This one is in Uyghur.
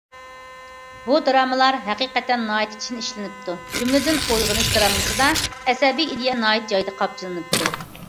بۇ دىرامىلار ھەقىقەتەن ناھايىتى چىن ئىشلىنىپتۇ، جۈملىدىن‹‹ ئويغىنىش›› دىرامىسىدا ئەسەبىي ئىدىيە ناھايىتى جايىدا قامچىلىنىپتۇ.